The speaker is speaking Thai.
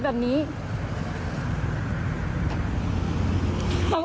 สวัสดีครับ